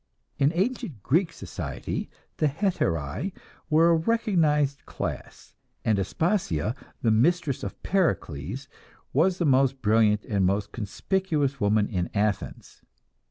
In ancient Greek society, the "hetairae" were a recognized class, and Aspasia, the mistress of Pericles, was the most brilliant and most conspicuous woman in Athens.